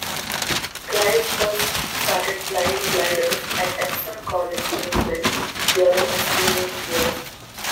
Clive first started flying gliders at Epsom College in England during his teenage years.